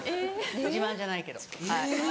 自慢じゃないけどはい。